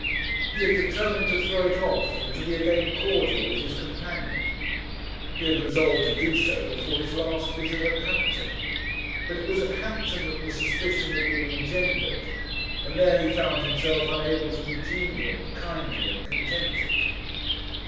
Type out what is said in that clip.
He had determined to throw it off, and to be again cordial with his companion. He had resolved so to do before his last visit at Hampton; but it was at Hampton that the suspicion had been engendered, and there he found himself unable to be genial, kindly, and contented.